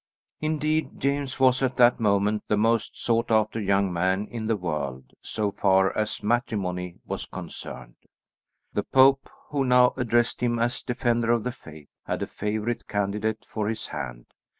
Indeed, James was at that moment the most sought after young man in the world, so far as matrimony was concerned. The Pope, who now addressed him as Defender of the Faith, had a favourite candidate for his hand.